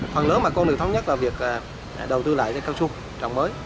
thuần lớn mà con được thống nhất là việc đầu tư lại cho cao su trồng mới